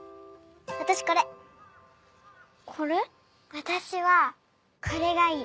私はこれがいい。